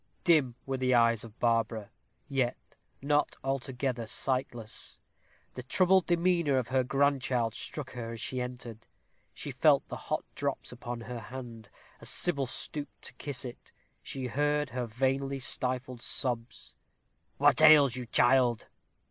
Dim were the eyes of Barbara, yet not altogether sightless. The troubled demeanor of her grandchild struck her as she entered. She felt the hot drops upon her hand as Sybil stooped to kiss it; she heard her vainly stifled sobs. "What ails you, child?"